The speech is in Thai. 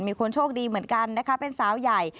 มีคนโชคดีเหมือนกันนะคะเป็นสาวใหญ่